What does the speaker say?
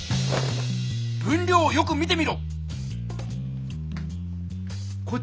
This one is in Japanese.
分量をよく見てみろ！